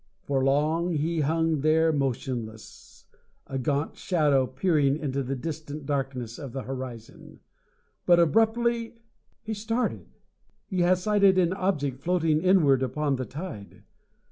For long he hung there motionless, a gaunt shadow peering into the distant darkness of the horizon. But abruptly He started. He has sighted an object floating inward upon the tide.